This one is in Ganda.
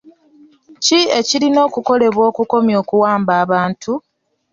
Ki ekirina okukolebwa okukomya okuwamba abantu?